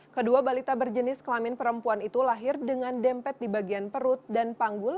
kedua balita berjenis kelamin perempuan itu lahir dengan dempet di bagian perut dan panggul